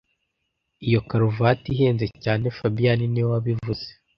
Iyo karuvati ihenze cyane fabien niwe wabivuze